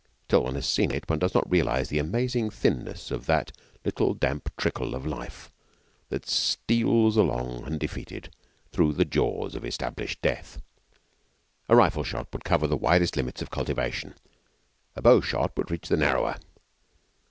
Till one has seen it, one does not realise the amazing thinness of that little damp trickle of life that steals along undefeated through the jaws of established death. A rifle shot would cover the widest limits of cultivation, a bow shot would reach the narrower.